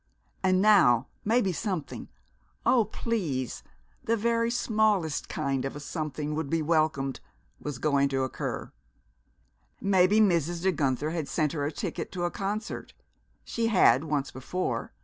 And now maybe something oh, please, the very smallest kind of a something would be welcomed! was going to occur. Maybe Mrs. De Guenther had sent her a ticket to a concert; she had once before.